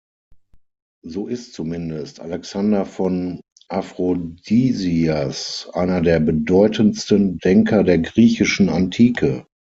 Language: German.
So ist zumindest Alexander von Aphrodisias einer der bedeutendsten Denker der griechischen Antike.